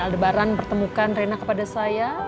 dan al ndebaran bertemukan rina kepada saya